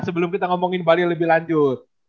sebelum kita ngomongin bali lebih lanjut